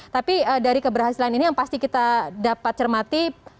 tapi dari keberhasilan ini yang pasti kita dapat cermati